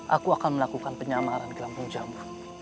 aku akan melakukan penyamaran kilampung jamu